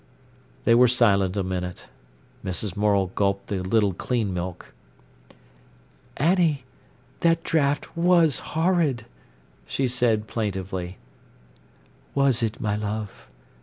They were silent a minute. Mrs. Morel gulped the little clean milk. "Annie, that draught was horrid!" she said plaintively. "Was it, my love?